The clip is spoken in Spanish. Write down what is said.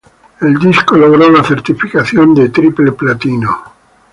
El disco logró la certificación de triple platino.